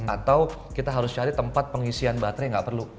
atau kita harus cari tempat pengisian baterai nggak perlu